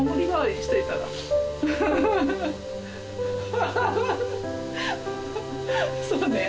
ハハハそうね。